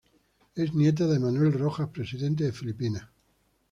Es nieta de Manuel Roxas, Presidente de Filipinas.